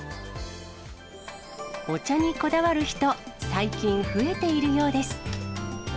お茶にこだわる人、最近増えているようです。